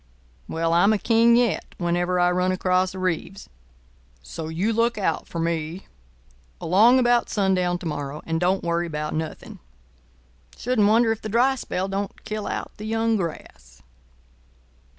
Well, I'm a King yet whenever I run across a Reeves. So you look out for me along about sundown to morrow, and don't worry about nothing. Shouldn't wonder if the dry spell don't kill out the young grass."